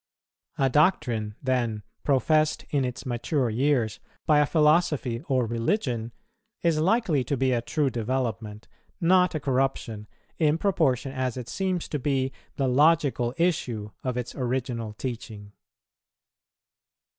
A doctrine, then, professed in its mature years by a philosophy or religion, is likely to be a true development, not a corruption, in proportion as it seems to be the logical issue of its original teaching.